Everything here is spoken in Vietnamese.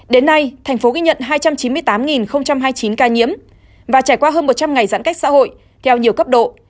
đến nay thành phố ghi nhận hai trăm chín mươi tám hai mươi chín ca nhiễm và trải qua hơn một trăm linh ngày giãn cách xã hội theo nhiều cấp độ